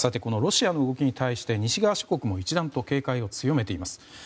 ロシアの動きに対して西側諸国も一段と警戒を強めています。